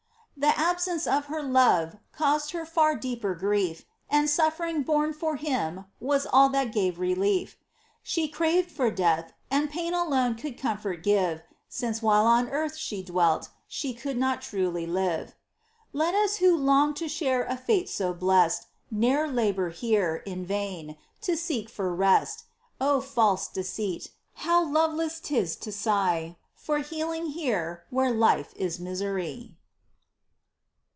The absence of her Love Caused her far deeper grief, And suffering borne for Him Was all that gave relief ; She craved for death, and pain Alone could comfort give, Since, while on earth she dwelt, She could not truly live. POEMS. 53 Let us who long To share a fate so blest Ne'er labour here In vain, to seek for rest. Oh, false deceit ! How loveless 'tis to sigh For healing here Where life is misery